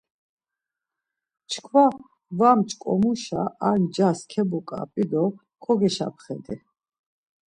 Çkva var mç̌ǩomuşa ar ncas kebuǩap̌i do kogeşapxedi.